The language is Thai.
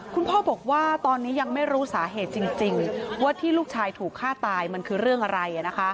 คุณพ่อบอกว่าตอนนี้ยังไม่รู้สาเหตุจริงว่าที่ลูกชายถูกฆ่าตายมันคือเรื่องอะไร